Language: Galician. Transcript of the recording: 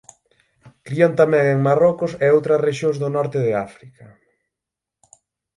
Crían tamén en Marrocos e outras rexións do norte de África.